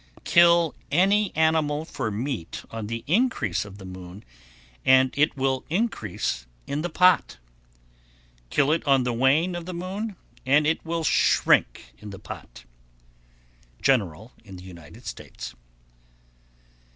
_ 1127. Kill any animal for meat on the increase of the moon, and it will increase in the pot. Kill it on the wane of the moon, and it will shrink in the pot. _General in the United States.